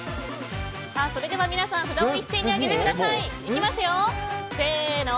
それでは皆さん札を一斉に上げてください。